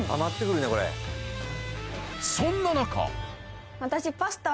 そんな中私。